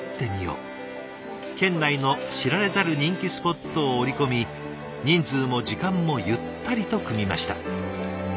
県内の知られざる人気スポットを織り込み人数も時間もゆったりと組みました。